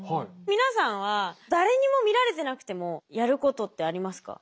皆さんは誰にも見られてなくてもやることってありますか？